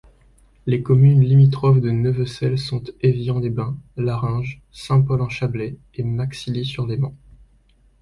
Les communes limitrophes de Neuvecelle sont Évian-les-Bains, Larringes, Saint-Paul-en-Chablais et Maxilly-sur-Léman.